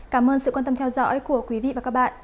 cảm ơn sự quan tâm theo dõi của quý vị và các bạn